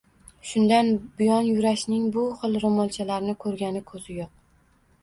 Shundan buyon Yurashning bu xil roʻmolchalarni koʻrgani koʻzi yoʻq.